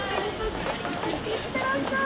いってらっしゃい。